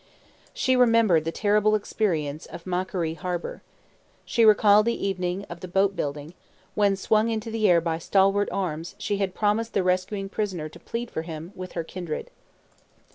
She remembered the terrible experience of Macquarie Harbour. She recalled the evening of the boat building, when, swung into the air by stalwart arms, she had promised the rescuing prisoner to plead for him with her kindred.